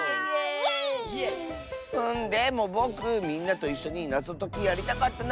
でもぼくみんなといっしょになぞときやりたかったなあ。